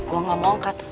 gue gak mau angkat